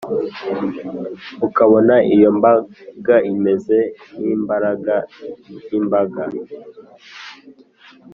ukabona iyo mbaga imeze nk’imbagara